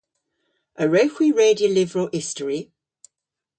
A wrewgh hwi redya lyvrow istori?